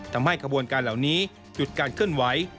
ทำให้ขบวนการเหล่านี้หยุดการเคลื่อนไหว